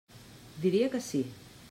Diria que sí.